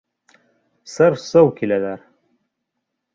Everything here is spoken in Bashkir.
Сыр-сыу киләләр.